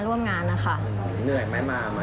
แล้วก็คอยอำนวยความสะดวกแขกที่เข้ามาร่วมงาน